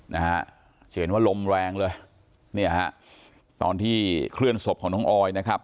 นะฮะจะเห็นว่าลมแรงเลยเนี่ยฮะตอนที่เคลื่อนศพของน้องออยนะครับ